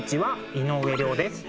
井上涼です。